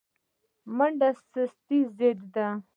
منډه د سستۍ ضد ده